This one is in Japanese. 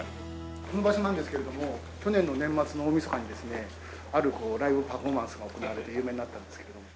この場所なんですけれども去年の年末の大みそかにですねあるライブパフォーマンスが行われて有名になったんですけれどもご存じですか？